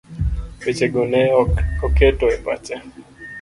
Weche go ne ok oketo e pache